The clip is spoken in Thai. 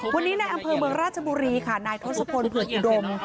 วันนี้ในอำเภอเมืองราชบุรีค่ะนายทศพลเผือกอุดม